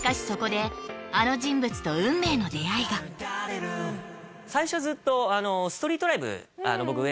そこであの人物と運命の出会いが最初はずっとストリートライブ僕